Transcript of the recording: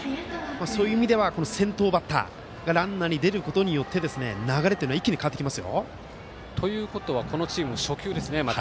そういう意味では先頭バッターがランナーに出ることで流れが一気に変わってきますよ。ということはこのチーム、初球ですね。